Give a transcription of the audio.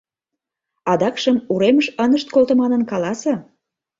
Адакшым уремыш ынышт колто, манын каласе...